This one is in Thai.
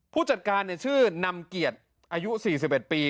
ผู้จัดการชื่อนำเกียรติอายุ๔๑ปี